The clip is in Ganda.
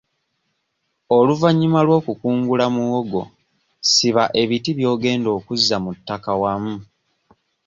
Oluvannyuma lw'okukungula muwogo siba ebiti by'ogenda okuzza mu ttaka wamu.